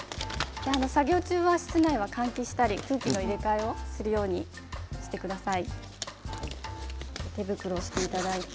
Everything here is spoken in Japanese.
作業中は室内は換気したり空気の入れ替えをするようにしてください。